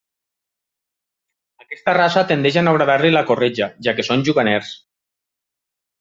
Aquesta raça tendeix a no agradar-li la corretja, ja que són juganers.